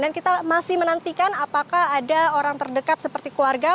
dan kita masih menantikan apakah ada orang terdekat seperti keluarga